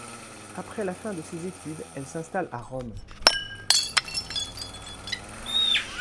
Après la fin de ces études, elle s'installe à Rome.